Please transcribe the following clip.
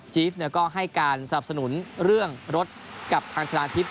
ฟก็ให้การสนับสนุนเรื่องรถกับทางชนะทิพย